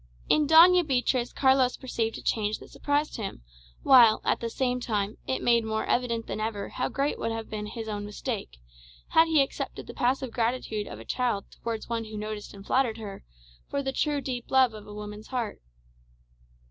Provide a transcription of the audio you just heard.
In Doña Beatriz Carlos perceived a change that surprised him, while, at the same time, it made more evident than ever how great would have been his own mistake, had he accepted the passive gratitude of a child towards one who noticed and flattered her for the true deep love of a woman's heart.